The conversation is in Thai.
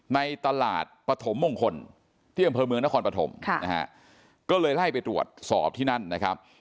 ในตลาดปฐมมงคลที่อำเภอเมืองนครปฐมนะฮะก็เลยไล่ไปตรวจสอบที่นั่นนะครับ